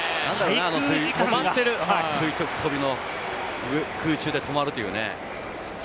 垂直跳びの空中で止まるというね。